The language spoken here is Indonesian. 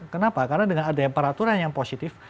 kenapa karena dengan adanya peraturan yang positif